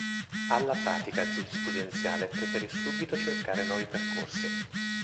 Alla pratica giurisprudenziale preferì subito cercare nuovi percorsi.